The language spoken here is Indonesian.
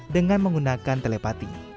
dengan menggunakan telepati